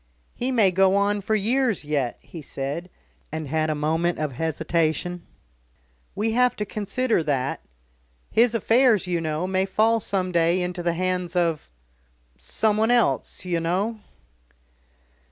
"He may go on for years yet," he said, and had a moment of hesitation. "We have to consider that. His affairs, you know, may fall some day into the hands of someone else, you know."